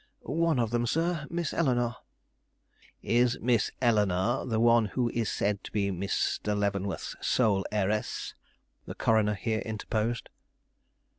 "One of them, sir, Miss Eleanore." "Is Miss Eleanore the one who is said to be Mr. Leavenworth's sole heiress?" the coroner here interposed.